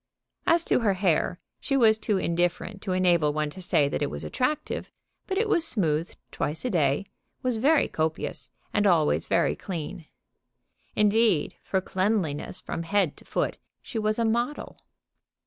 As to her hair, she was too indifferent to enable one to say that it was attractive; but it was smoothed twice a day, was very copious, and always very clean. Indeed, for cleanliness from head to foot she was a model.